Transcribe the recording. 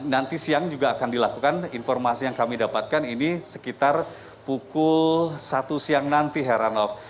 nanti siang juga akan dilakukan informasi yang kami dapatkan ini sekitar pukul satu siang nanti heranov